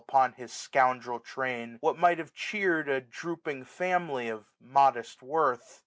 Upon his scoundrel train, what might have cheer'd A drooping family of modest worth.